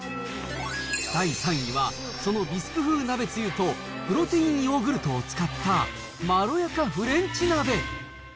第３位は、そのビスク風鍋つゆとプロテインヨーグルトを使ったまろやかフレンチ鍋。